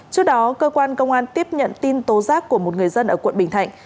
trước đó cơ quan công an tiếp nhận tin tố giác của một người dân ở quận bình thạnh